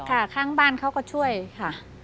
ค่ะข้างบ้านเขาก็ช่วยค่ะ